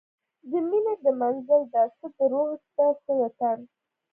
د میینې د منزل ده، څه د روح ده څه د تن